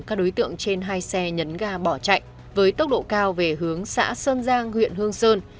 các đối tượng trên hai xe nhấn ga bỏ chạy với tốc độ cao về hướng xã sơn giang huyện hương sơn